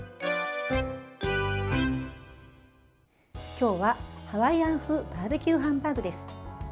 今日は、ハワイアン風バーベキューハンバーグです。